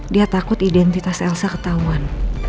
dia takut identitas elsa ketahuan